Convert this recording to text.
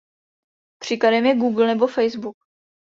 Příkladem je Google nebo Facebook.